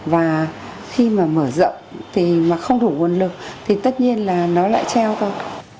và khi mà mở rộng thì mà không đủ nguồn lực thì tất nhiên là nó lại treo cơ